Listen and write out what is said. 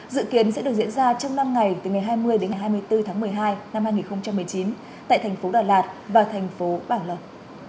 dự kiến sẽ được diễn ra trong năm ngày từ ngày hai mươi đến ngày hai mươi bốn tháng một mươi hai năm hai nghìn một mươi chín tại thành phố đà lạt và thành phố bảo lộc